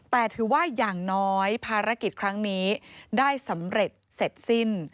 แต่ถือว่าอย่างน้อยภารกิจครั้งนี้ได้สำเร็จเสร็จสิ้น